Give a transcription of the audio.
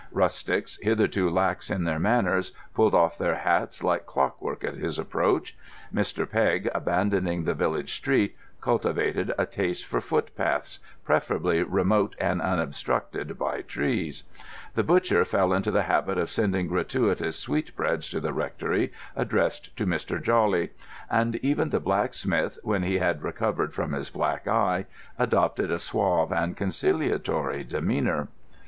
Rustics, hitherto lax in their manners, pulled off their hats like clockwork at his approach; Mr. Pegg, abandoning the village street, cultivated a taste for footpaths, preferably remote and unobstructed by trees; the butcher fell into the habit of sending gratuitous sweetbreads to the Rectory, addressed to Mr. Jawley; and even the blacksmith, when he had recovered from his black eye, adopted a suave and conciliatory demeanour.